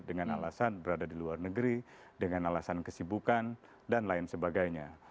dengan alasan berada di luar negeri dengan alasan kesibukan dan lain sebagainya